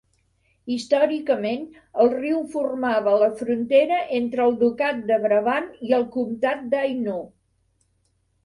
Històricament, el riu formava la frontera entre el ducat de Brabant i el comtat d'Hainaut.